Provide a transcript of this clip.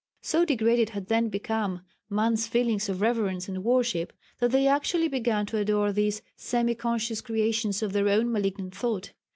So degraded had then become man's feelings of reverence and worship, that they actually began to adore these semi conscious creations of their own malignant thought.